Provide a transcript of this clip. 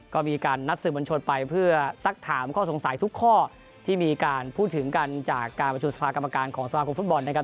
ก็มีการนัดสื่อบัญชนไปเพื่อสักถามข้อสงสัยทุกข้อที่มีการพูดถึงกันจากการประชุมสภากรรมการของสมาคมฟุตบอลนะครับ